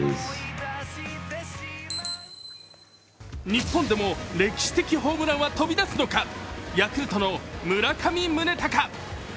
日本でも歴史的ホームランは飛び出すのか、ヤクルトの村上宗隆。